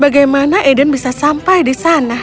bagaimana aiden bisa sampai di sana